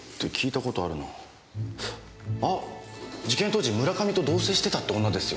あっ事件当時村上と同棲してたって女ですよ。